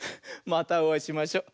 またおあいしましょ。